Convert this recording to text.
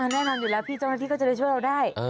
แน่นอนอยู่แล้วพี่เจ้าหน้าที่ก็จะได้ช่วยเราได้